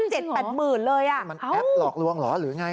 เจ็ดแปดหมื่นเลยอ่ะมันแอปหลอกลวงเหรอหรือไง